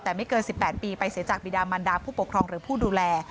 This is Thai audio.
แต่ไม่เกิน๑๘ปีไปเสียจากบิดามันดาผู้ปกครองหรือผู้ดูแล